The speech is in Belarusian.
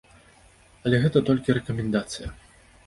Але гэта толькі рэкамендацыя.